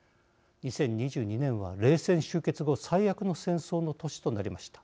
２０２２年は冷戦終結後最悪の戦争の年となりました。